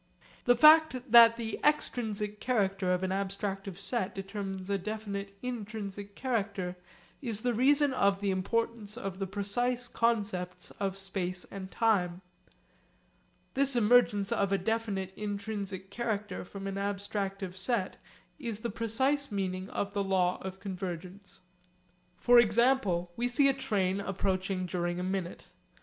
The fact that the extrinsic character of an abstractive set determines a definite intrinsic character is the reason of the importance of the precise concepts of space and time. This emergence of a definite intrinsic character from an abstractive set is the precise meaning of the law of convergence. For example, we see a train approaching during a minute.